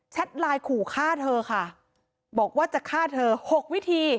ไลน์ขู่ฆ่าเธอค่ะบอกว่าจะฆ่าเธอหกวิธี